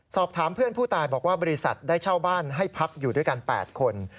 สอบถามเพื่อนผู้ตายบอกว่าบริษัทได้เช่าบ้านให้พักอยู่ด้วยกัน๘คน